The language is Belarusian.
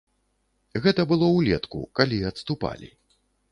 Гэта было ўлетку, калі адступалі.